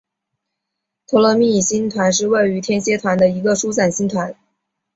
托勒密星团是位于天蝎座的一个疏散星团。